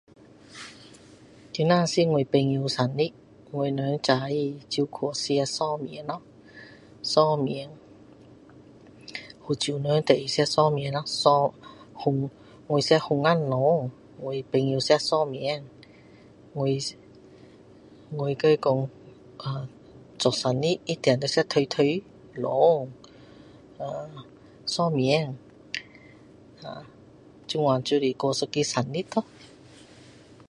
今天是我朋友生日我们早上就是吃寿面咯寿面福州人最爱吃寿面咯我吃粉干蛋我朋友吃寿面我我跟他说做生日一定要吃腿腿蛋寿面啊这样就是过一个生日咯